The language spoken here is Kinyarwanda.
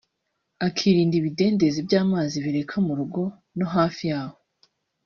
akirinda ibidendezi by’amazi bireka mu rugo no hafi yahoo